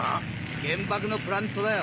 原爆のプラントだよ。